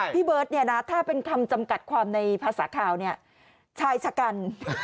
พี่เบิร์ทนี่นะถ้าเป็นคำจำกัดภาษาข่าวชายชะกัล